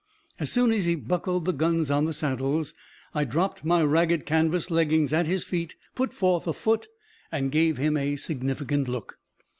As soon as he buckled the guns on the saddles, I dropped my ragged canvas leggings at his feet, put forth a foot, and gave him a significant look.